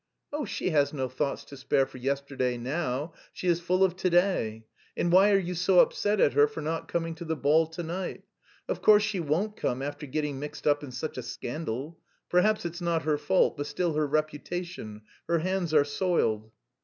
"Oh, she has no thoughts to spare for yesterday now, she is full of to day. And why are you so upset at her not coming to the ball to night? Of course, she won't come after getting mixed up in such a scandal. Perhaps it's not her fault, but still her reputation... her hands are soiled."